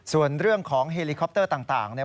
ส่วนเรื่องของเฮลิคอปเตอร์ต่างเนี่ย